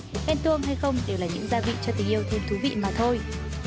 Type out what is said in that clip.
khen tuông hay không đều là những gia vị cho tình yêu thêm thú vị mà thôi